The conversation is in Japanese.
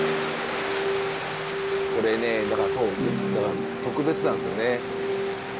これねだからそうだから特別なんですよね。